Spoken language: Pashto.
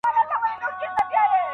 هره ورځ یې شل او دېرش ورنه پلورلې